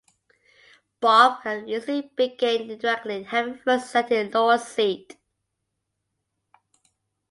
Barf can easily be gained indirectly, having first ascended Lord's Seat.